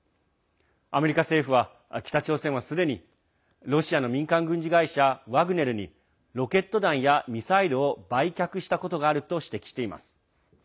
アメリカ政府は北朝鮮はすでにロシアの民間軍事会社ワグネルにロケット弾やミサイルを売却したことがあると指摘しています。